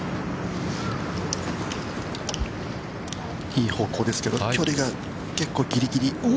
◆いい方向ですけど、距離が結構ぎりぎり。